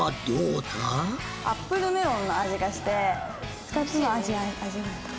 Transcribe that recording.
アップルメロンの味がして２つの味を味わえた。